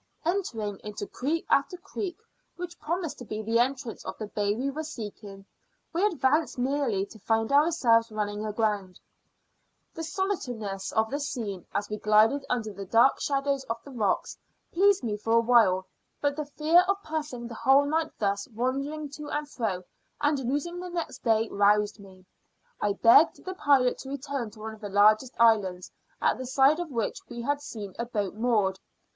Entering also into creek after creek which promised to be the entrance of the bay we were seeking, we advanced merely to find ourselves running aground. The solitariness of the scene, as we glided under the dark shadows of the rocks, pleased me for a while; but the fear of passing the whole night thus wandering to and fro, and losing the next day, roused me. I begged the pilot to return to one of the largest islands, at the side of which we had seen a boat moored.